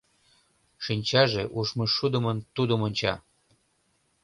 Шинчаже ужмышудымын тудым онча.